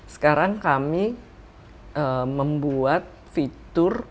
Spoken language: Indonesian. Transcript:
sekarang kami membuat fitur